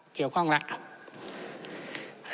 เกี่ยวข้องแล้ว